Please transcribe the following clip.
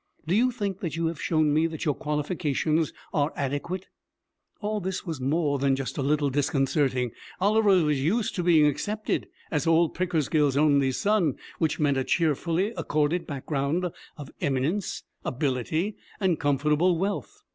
Do you think that you have shown me that your qualifications are adequate?' All this was more than a little disconcerting. Oliver was used to being accepted as old Pickersgill's only son which meant a cheerfully accorded background of eminence, ability, and comfortable wealth.